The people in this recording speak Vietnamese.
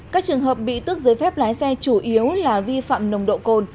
các trường hợp bị tước giấy phép lái xe chủ yếu là vi phạm nồng độ cồn